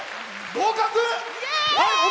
合格！